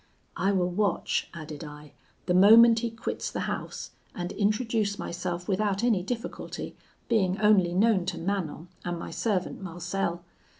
'I will watch,' added I, 'the moment he quits the house, and introduce myself without any difficulty, being only known to Manon, and my servant Marcel.